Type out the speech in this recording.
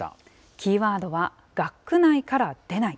キーワードは学区内から出ない。